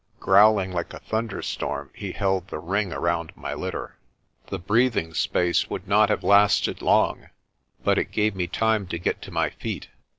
Growling like a thunderstorm he held the ring around my litter. The breathing space would not have lasted long, but it gave me time to get to my feet.